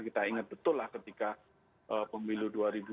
kita ingat betul lah ketika pemilu dua ribu dua puluh